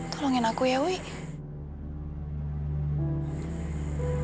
tolongin aku ya wuih